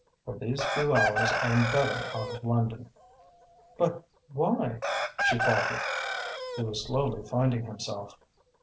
For these few hours I am better out of London." "But why " she faltered. He was slowly finding himself.